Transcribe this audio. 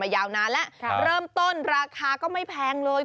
ยาวนานแล้วเริ่มต้นราคาก็ไม่แพงเลย